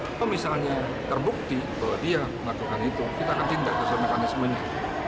kalau misalnya terbukti bahwa dia melakukan itu kita akan tindak sesuai mekanismenya